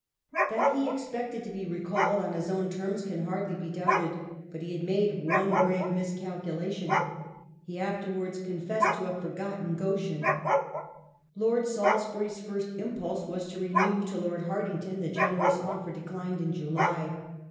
That he expected to be recalled »on his own terms can hardly be doubted ; but he had made one grave miscalculation. He after wards confessed to having " forgotten Goschen ". I^rd Salisbury's first impulse was to renew to Lord Hartington the generous offer declined in July.